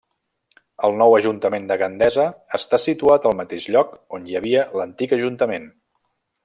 El nou Ajuntament de Gandesa està situat al mateix lloc on hi havia l'antic Ajuntament.